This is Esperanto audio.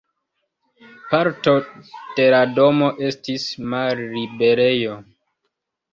Parto de la domo estis malliberejo.